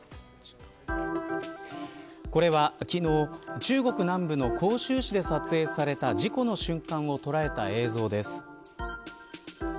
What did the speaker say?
これは昨日中国南部の広州市で撮影された事故の瞬間を捉えた映像です。